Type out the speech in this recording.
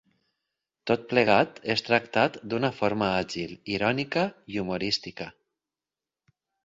Tot plegat és tractat d'una forma àgil, irònica i humorística.